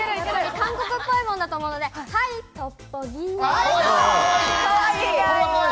韓国っぽいものだと思うので、はいトッポギ！